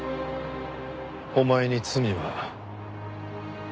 「お前に罪は」。